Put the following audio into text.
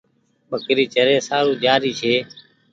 ٻڪري چري سارو جآ ري ڇي۔